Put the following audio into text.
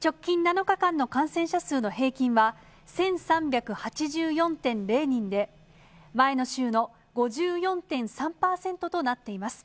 直近７日間の感染者数の平均は１３８４．０人で、前の週の５４．３％となっています。